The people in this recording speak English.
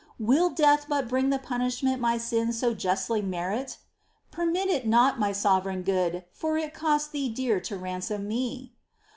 Will death but bring the punishment my sins so justly merit ? Permit it not, my sovereign Good, for it cost Thee dear to ransom me